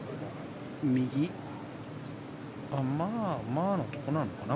まあまあのところかな。